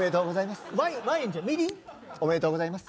おめでとうございます。